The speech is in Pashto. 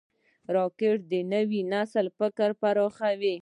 راکټ د نوي نسل فکر پراخوي